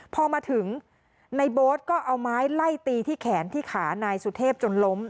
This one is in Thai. พอมาถึงในโบ๊ทก็เอาไม้ไล่ตีที่แขนที่ขานายสุเทพจนล้ม